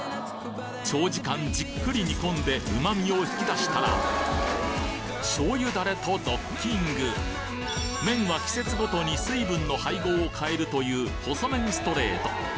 長時間じっくり煮込んで旨味を引き出したら醤油ダレとドッキング麺は季節ごとに水分の配合を変えるという細麺ストレート